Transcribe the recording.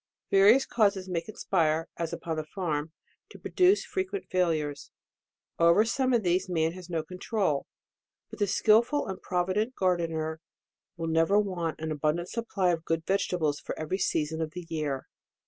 Various causes may conspire, as upon the farm, to produce frequent failures. Over some of these, man has no controul, but the skilful and provident gardener will never want an abundant supply of good vegetables for every season of the year.